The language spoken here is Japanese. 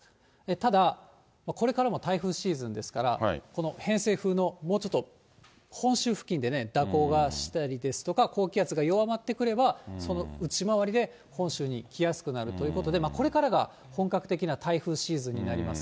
ただ、これからも台風シーズンですから、この偏西風のもうちょっと本州付近でね、蛇行がしたりですとか、高気圧が弱まってくれば、その内回りで本州に来やすくなるということで、これからが本格的な台風シーズンになります。